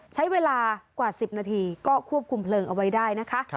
ใช้เวลากว่า๑๐นาทีก็ควบคุมเพลิงเอาไว้ได้นะคะ